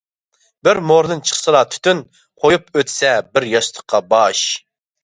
بىر مورىدىن چىقسىلا تۈتۈن، قويۇپ ئۆتسە بىر ياستۇققا باش.